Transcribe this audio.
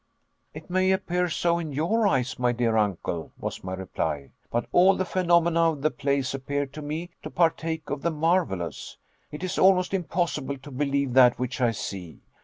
"It may appear so in your eyes, my dear uncle," was my reply, "but all the phenomena of the place appear to me to partake of the marvelous. It is almost impossible to believe that which I see.